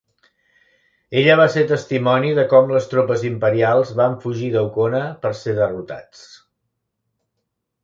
Ella va ser testimoni de com les tropes imperials van fugir d'Aucona per ser derrotats.